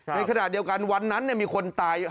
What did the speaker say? ในขณะเดียวกันวันนั้นมีคนตาย